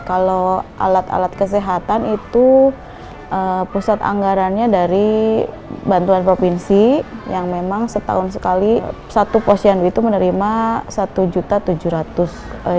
kalau alat alat kesehatan itu pusat anggarannya dari bantuan provinsi yang memang setahun sekali satu posyandu itu menerima rp satu tujuh ratus